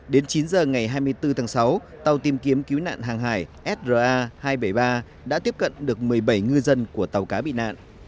đến chín giờ ngày hai mươi bốn tháng sáu tàu tìm kiếm cứu nạn hàng hải sa hai trăm bảy mươi ba đã tiếp cận được một mươi bảy ngư dân của tàu cá bị nạn